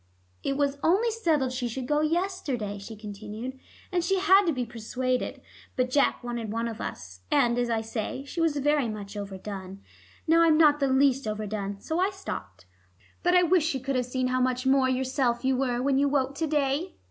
"It was only settled she should go yesterday," she continued, "and she had to be persuaded. But Jack wanted one of us, and, as I say, she was very much overdone. Now I'm not the least overdone. So I stopped. But I wish she could have seen how much more yourself you were when you woke to day."